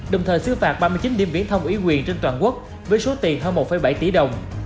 đồng thời xứ phạt ba mươi chín điểm viễn thông ủy quyền trên toàn quốc với số tiền hơn một bảy tỷ đồng